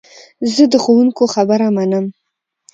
زه د ښوونکو خبره منم.